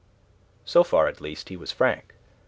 So far at least he was frank.